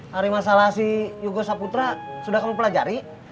hari masalah si yugo saputra sudah kamu pelajari